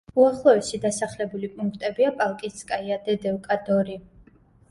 უახლოესი დასახლებული პუნქტებია: პალკინსკაია, დედევკა, დორი.